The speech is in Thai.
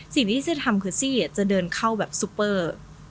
สิ่งที่ซี่จะทำคือซี่จะเดินเข้าแบบซูเปอร์